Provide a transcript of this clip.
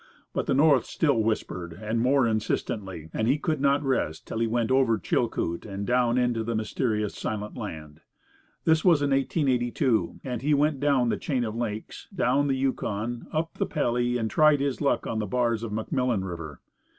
But the North still whispered, and more insistently, and he could not rest till he went over Chilcoot, and down into the mysterious Silent Land. This was in 1882, and he went down the chain of lakes, down the Yukon, up the Pelly, and tried his luck on the bars of McMillan River.